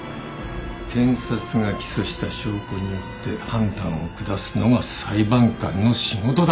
検察が起訴した証拠によって判断を下すのが裁判官の仕事だ。